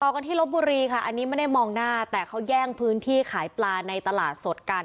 กันที่ลบบุรีค่ะอันนี้ไม่ได้มองหน้าแต่เขาแย่งพื้นที่ขายปลาในตลาดสดกัน